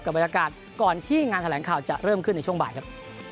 บรรยากาศก่อนที่งานแถลงข่าวจะเริ่มขึ้นในช่วงบ่ายครับ